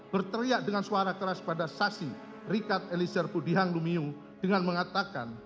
berteriak dengan suara keras pada saksi richard elisir pudihang lumiu dengan mengatakan